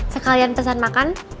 sekalian pesan makan